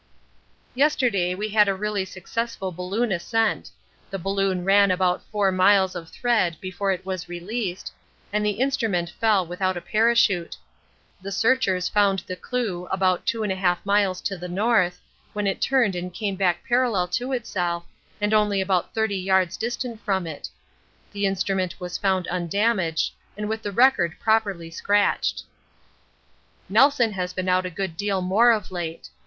Yesterday we had a really successful balloon ascent: the balloon ran out four miles of thread before it was released, and the instrument fell without a parachute. The searchers followed the clue about 2 1/2 miles to the north, when it turned and came back parallel to itself, and only about 30 yards distant from it. The instrument was found undamaged and with the record properly scratched. Nelson has been out a good deal more of late.